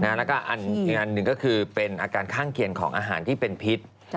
แล้วก็อันหนึ่งก็คือเป็นอาการข้างเคียงของอาหารที่เป็นพิษ